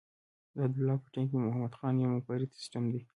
د عبدالله په ټیم کې محمد خان یو منفرد سیسټم دی.